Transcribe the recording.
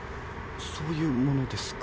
そういうものですか。